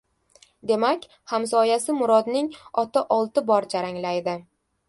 Demak, hamsoyasi Murodning oti olti bor jaranglaydi.